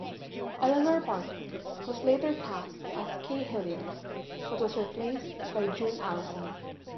Eleanor Parker was later cast as Kay Hilliard but was replaced by June Allyson.